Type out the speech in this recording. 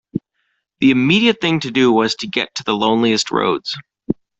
The immediate thing to do was to get to the loneliest roads.